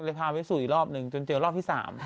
เลยพามาพิสูจน์อีกรอบนึงเจอรอบที่สาม